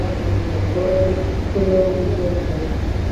اوړه د کلو ژوند ښيي